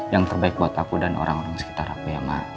yang terbaik buat aku dan orang orang sekitar aku ya mak